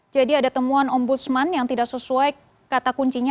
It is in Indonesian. jadi ada temuan om busman yang tidak sesuai kata kuncinya